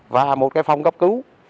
và một cái phòng cấp cứu